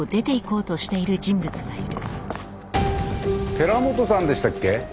寺本さんでしたっけ？